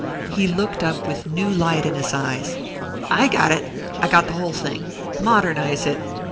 He looked up with new light in his eyes. "I got it got the whole thing. Modernize it.